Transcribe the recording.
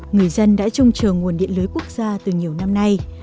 người dân đã trông chờ nguồn điện lưới quốc gia từ nhiều năm nay